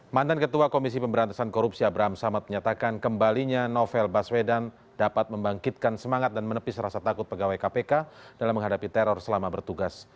mantan ketua komisi pemberantasan korupsi abraham samad menyatakan kembalinya novel baswedan dapat membangkitkan semangat dan menepis rasa takut pegawai kpk dalam menghadapi teror selama bertugas